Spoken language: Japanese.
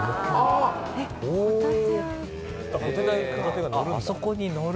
へぇあそこにのる？